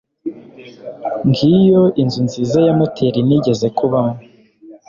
Ngiyo inzu nziza ya moteri nigeze kubamo